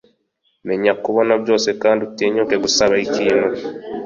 menya kubona byose kandi utinyuke gusaba ikintu